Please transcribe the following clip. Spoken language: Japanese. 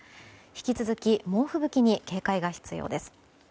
引き続き猛吹雪に警戒が必要です。